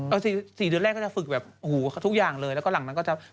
เอาสี่เดือนแรกก็จะฝึกแบบโอ้โหทุกอย่างเลยแล้วก็หลังนั้นก็จะ